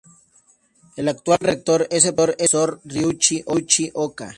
El actual rector es el Profesor Ryuichi Oka.